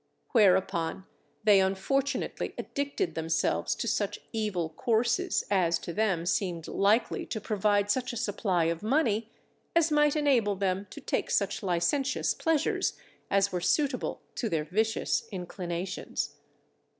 Whereupon they unfortunately addicted themselves to such evil courses as to them seemed likely to provide such a supply of money as might enable them to take such licentious pleasures as were suitable to their vicious inclinations.